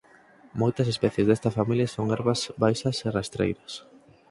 Moitas especies desta familia son herbas baixas e rastreiras.